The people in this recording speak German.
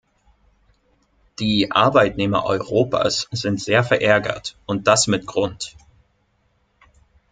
Die Arbeitnehmer Europas sind sehr verärgert, und das mit Grund.